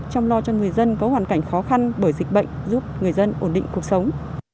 chăm lo cho người dân có hoàn cảnh khó khăn bởi dịch bệnh giúp người dân ổn định cuộc sống